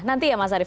nanti ya mas arief